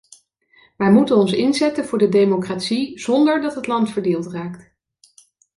Wij moeten ons inzetten voor de democratie zonder dat het land verdeeld raakt.